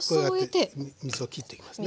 こうやって水を切っときますね。